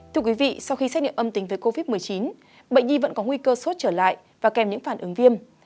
thưa quý vị sau khi xét nghiệm âm tính với covid một mươi chín bệnh nhi vẫn có nguy cơ sốt trở lại và kèm những phản ứng viêm